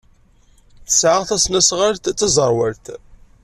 Tesɛa tasnasɣalt d taẓerwalt.